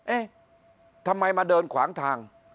เอ๊ะทำไมมาเดินขวางทาง